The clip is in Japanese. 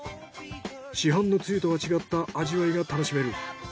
市販のつゆとは違った味わいが楽しめる。